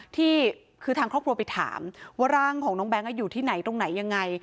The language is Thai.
ที่คือทางครอบครัวไปถามว่าร่างของน้องแบงค์อยู่ที่ไหนตรงไหนยังไง